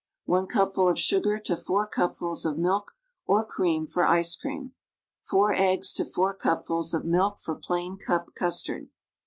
1 cupful of sugar to 4 cui)fuls of milk or cream for ice cream. 4 eggs to 4 cupfuls of milk for plain cup custard.